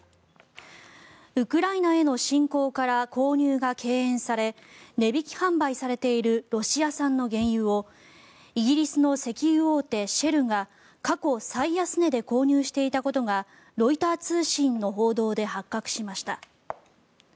ウクライナへの侵攻から購入が敬遠され値引き販売されているロシア産の原油をイギリスの石油大手シェルが過去最安値で購入していたことがロイター通信の報道で発覚しました。